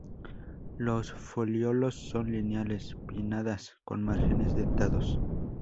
Los folíolos son lineales, pinnadas con márgenes dentados.